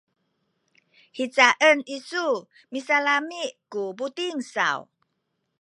hicaen isu misalami’ ku buting saw?